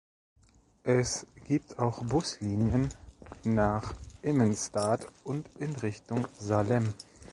Es gibt auch Buslinien nach Immenstaad und in Richtung Salem.